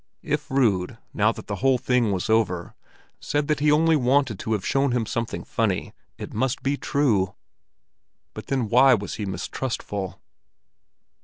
If Rud, now that the whole thing was over, said that he only wanted to have shown him something funny, it must be true. But then why was he mistrustful?